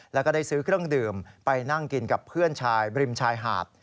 แล้วก็ได้ซื้อเครื่องดื่มไปนั่งกินกับเพื่อนชายบริมชายหาด